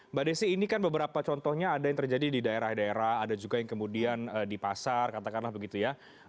mbak desi ini kan beberapa contohnya ada yang terjadi di daerah daerah ada juga yang kemudian di pasar katakanlah begitu ya